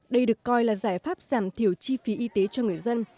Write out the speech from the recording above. đây được coi là giải pháp giảm thiểu chi phí y tế cho người dân